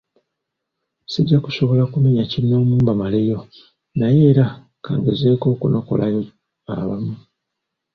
Sijja kusobola kumenya kinnoomu mbamaleyo, naye era ka ngezeeko okunokolayo abamu.